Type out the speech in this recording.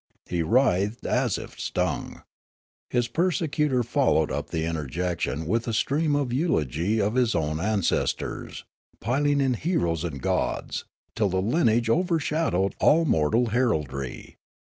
He writhed as if stung. His persecutor followed up the interjection with a stream of eulog3^ of his own ances tors, piling in heroes and gods, till the lineage over shadowed all mortal heraldrj'.